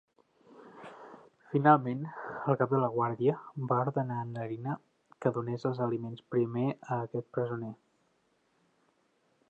Finalment, el cap de la guàrdia, va ordenar en Larina que donés els aliments primer a aquest presoner.